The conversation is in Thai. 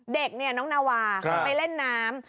เด็กเนี่ยน้องนาวาไปเล่นน้ำ